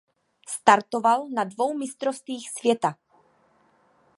Startoval na dvou mistrovstvích světa.